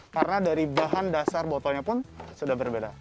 karena dari bahan dasar botolnya pun sudah berbeda